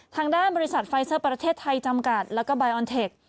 ทางด้านบริษัทไฟเซอร์ประเทศไทยจำกัดแล้วก็ใบออนเทค